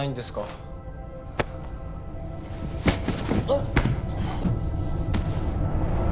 あっ。